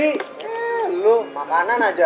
eh lo makanan aja